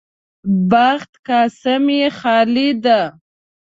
بخت کاسه مې خالي ده.